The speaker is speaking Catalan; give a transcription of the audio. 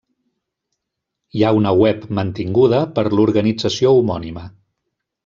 Hi ha una web mantinguda per l'organització homònima.